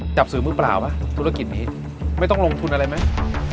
จับสื่อมือเปล่าไหมธุรกิจนี้ไม่ต้องลงทุนอะไรไหม